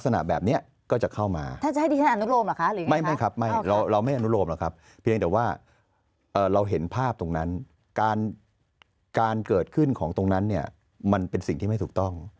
เนี่ยแต่ว่าเราเห็นภาพตรงนั้นการเกิดขึ้นของตรงนั้นเนี่ยมันเป็นสิ่งที่ไม่ถูกต้อง